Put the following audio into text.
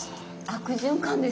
悪循環ですね。